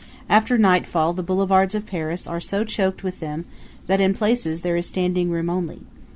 After nightfall the boulevards of Paris are so choked with them that in places there is standing room only.